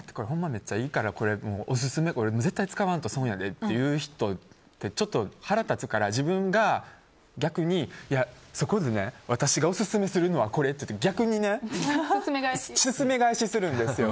めっちゃいいからオススメ絶対使わんと損やでっていう人ってちょっと腹立つから自分が逆に、そこで私がオススメするのはこれって逆にね、勧め返しするんですよ。